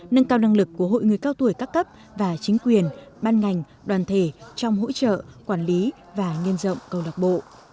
nâng cao năng lực của hội người cao tuổi các cấp và chính quyền ban ngành đoàn thể trong hỗ trợ quản lý và nhân rộng câu lạc bộ